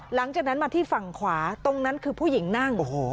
หลังจากนั้นมาที่ฝั่งขวาตรงนั้นคือผู้หญิงนั่ง